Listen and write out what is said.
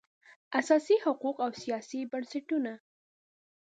اساسي حقوق او سیاسي بنسټونه